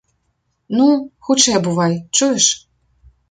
Ну, хутчэй абувай, чуеш!